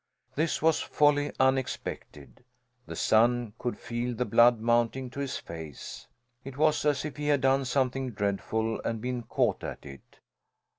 This was wholly unexpected. The son could feel the blood mounting to his face. It was as if he had done something dreadful, and been caught at it.